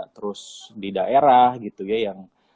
terus di daerah gitu ya yang